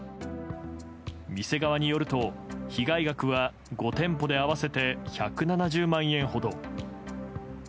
店側によると、被害額は５店舗で合わせて１７０万円ほど。